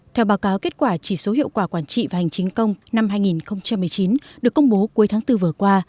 theo báo cáo kết quả chỉ số hiệu quả quản trị và hành chính công năm hai nghìn một mươi chín được công bố cuối tháng bốn vừa qua